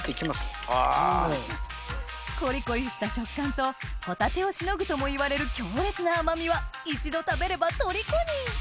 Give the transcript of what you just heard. コリコリした食感とホタテをしのぐともいわれる強烈な甘みは一度食べればとりこに！